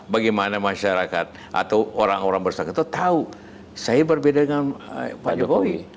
bagaimana masyarakat atau orang orang bersakat itu tahu saya berbeda dengan pak jokowi